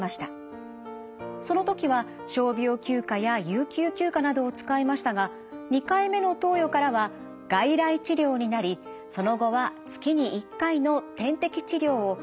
その時は傷病休暇や有給休暇などを使いましたが２回目の投与からは外来治療になりその後は月に１回の点滴治療を外来で継続しています。